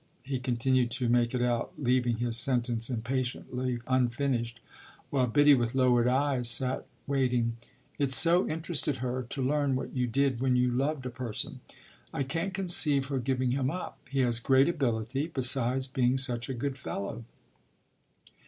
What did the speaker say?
He continued to make it out, leaving his sentence impatiently unfinished, while Biddy, with lowered eyes, sat waiting it so interested her to learn what you did when you loved a person. "I can't conceive her giving him up. He has great ability, besides being such a good fellow."